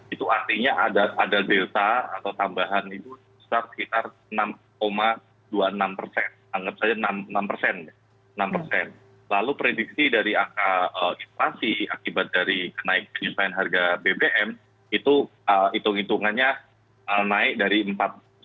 itu artinya ada delta atau tambahan itu sekitar rp enam